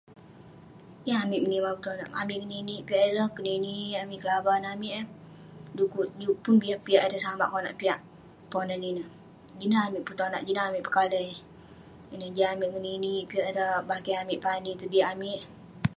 Yeng amik nimah petonak amik ngeninek piak ireh kenenik amik kelavan amik eh dukuk pun piak-piak ireh samak ngan oluek konak piyak ponan ineh jineh amik petonak jineh amik pekalai ineh jah amik ngeninek ireh bakeh amik tong dik amik